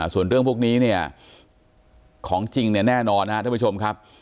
ส่วนเรื่องพวกนี้เนี่ยของจริงเนี่ยแน่นอนน่ะต้องไปชมครับ